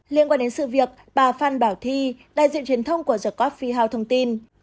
liên quan đến sự việc bà phan bảo thi đại diện truyền thông của the coffee house thông tin